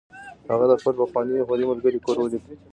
هغه د خپل پخواني یهودي ملګري کور ولید